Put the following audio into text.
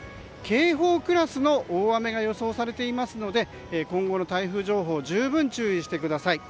警報クラスの大雨が予想されていますので今後の台風情報十分注意してください。